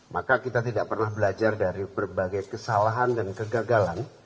maka kita tidak pernah belajar dari berbagai kesalahan dan kegagalan